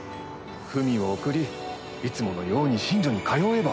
文を送りいつものように寝所に通えば。